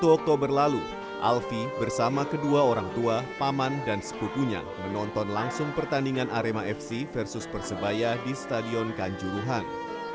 satu oktober lalu alfie bersama kedua orang tua paman dan sepupunya menonton langsung pertandingan arema fc versus persebaya di stadion kanjuruhan